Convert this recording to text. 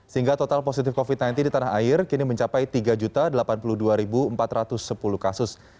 sehingga total positif covid sembilan belas di tanah air kini mencapai tiga delapan puluh dua empat ratus sepuluh kasus